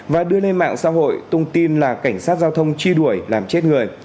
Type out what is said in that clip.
và đưa lên mạng xã hội tung tin là cảnh sát giao thông truy đuổi làm chết người